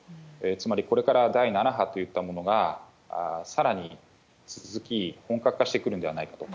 つまり、これから第７波といったものが、さらに続き、本格化してくるんではないかと。